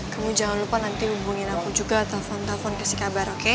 kamu jangan lupa nanti hubungin aku juga telepon telepon kasih kabar oke